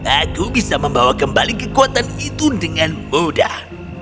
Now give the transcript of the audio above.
aku bisa membawa kembali kekuatan itu dengan mudah